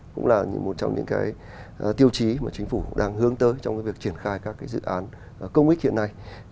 cũng là một trong những cái tiêu chí mà chính phủ đang hướng tới trong cái việc triển khai các dự án công ích hiện nay